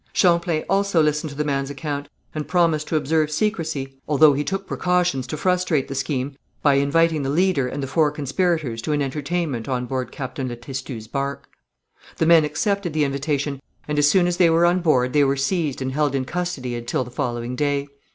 Champlain also listened to the man's account and promised to observe secrecy, although he took precautions to frustrate the scheme by inviting the leader and the four conspirators to an entertainment on board Captain Le Testu's barque. The men accepted the invitation, and as soon as they were on board they were seized and held in custody until the following day.